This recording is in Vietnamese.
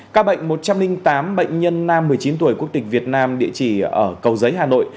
các bệnh một trăm linh tám bệnh nhân nam một mươi chín tuổi quốc tịch việt nam địa chỉ ở cầu giấy hà nội